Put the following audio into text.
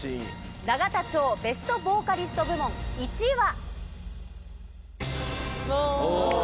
永田町ベストボーカリスト部門１位は。